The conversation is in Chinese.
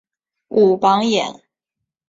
武榜眼。